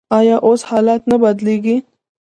آیا اوس حالات نه بدلیږي؟